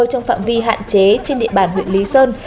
trong phạm vi hạn chế trên địa bàn huyện lý sơn